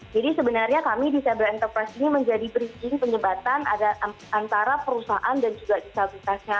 jadi sebenarnya kami disable enterprise ini menjadi bridging penyebatan antara perusahaan dan juga disabilitasnya